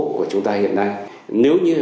của chúng ta hiện nay nếu như